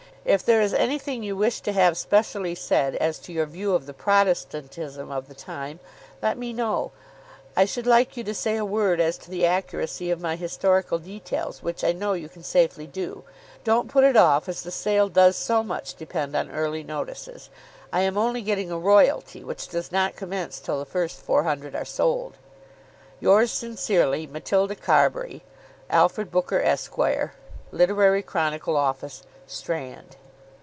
If there is anything you wish to have specially said as to your view of the Protestantism of the time, let me know. I should like you to say a word as to the accuracy of my historical details, which I know you can safely do. Don't put it off, as the sale does so much depend on early notices. I am only getting a royalty, which does not commence till the first four hundred are sold. Yours sincerely, MATILDA CARBURY. ALFRED BOOKER, Esq., "Literary Chronicle," Office, Strand.